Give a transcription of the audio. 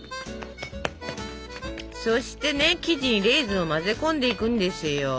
そしてね生地にレーズンを混ぜ込んでいくんですよ。